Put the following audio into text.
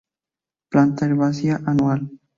Planta herbácea, anual.